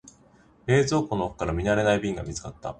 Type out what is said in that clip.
冷蔵庫の奥から見慣れない瓶が見つかった。